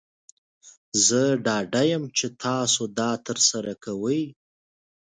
زه ډاډه یم چې تاسو دا ترسره کوئ.